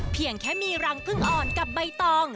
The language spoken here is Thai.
เพียงแค่มีรังพึ่งอ่อนกับใบตอง